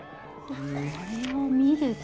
これを見ると。